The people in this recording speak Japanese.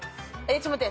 ちょっと待って。